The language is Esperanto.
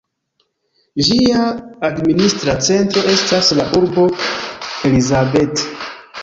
Ĝia administra centro estas la urbo Elizabeth.